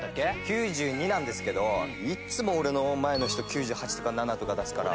９２なんですけどいつも俺の前の人９８とか９７とか出すから。